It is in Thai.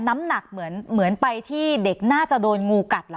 น้ำหนักเหมือนไปที่เด็กน่าจะโดนงูกัดเหรอ